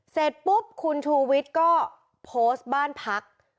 เสร็จปุ๊บคุณชูวิทย์ก็โพสต์บ้านพัก